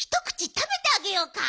たべてあげようか？